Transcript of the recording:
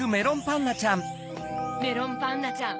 メロンパンナちゃん